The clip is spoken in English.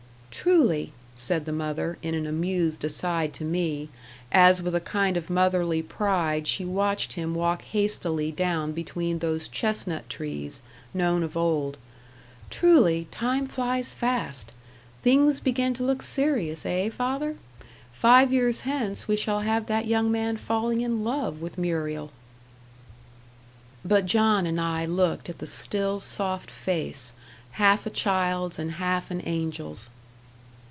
"Truly," said the mother, in an amused aside to me, as with a kind of motherly pride she watched him walk hastily down between those chestnut trees, known of old "truly, time flies fast. Things begin to look serious eh, father? Five years hence we shall have that young man falling in love with Muriel." But John and I looked at the still, soft face, half a child's and half an angel's.